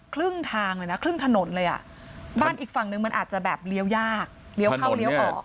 ครึ่งทางเลยนะครึ่งถนนเลยอ่ะบ้านอีกฝั่งนึงมันอาจจะแบบเลี้ยวยากเลี้ยวเข้าเลี้ยวออก